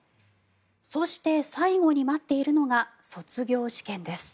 そして、最後に待っているのが卒業試験です。